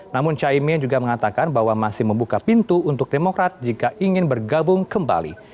namun caimin juga mengatakan bahwa masih membuka pintu untuk demokrat jika ingin bergabung kembali